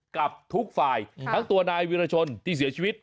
กับทุกฝ่ายทั้งตัวนายวิรชนที่เสียชีวิต